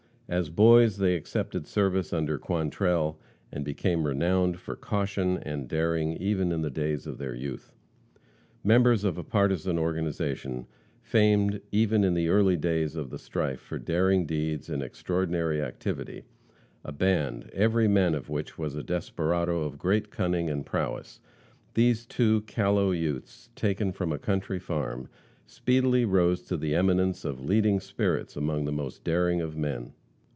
As boys, they accepted service under Quantrell, and became renowned for caution and daring even in the days of their youth. Members of a partisan organization, famed even in the early days of the strife for daring deeds and extraordinary activity; a band, every man of which was a desperado of great cunning and prowess, these two callow youths, taken from a country farm, speedily rose to the eminence of leading spirits among the most daring of men.